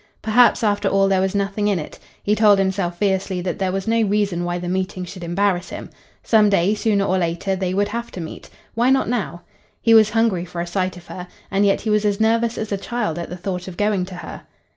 Perhaps, after all, there was nothing in it. He told himself fiercely that there was no reason why the meeting should embarrass him. Some day, sooner or later, they would have to meet. Why not now? He was hungry for a sight of her, and yet he was as nervous as a child at the thought of going to her.